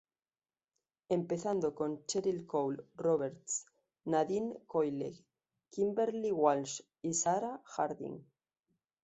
Empezando con Cheryl Cole, Roberts, Nadine Coyle, Kimberley Walsh y Sarah Harding.